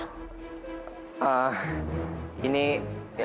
aku nggak mau kamu nyembunyiin apa apa dari aku